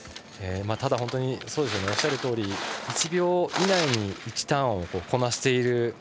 ただ、おっしゃるとおり１秒以内に１ターンをこなしている。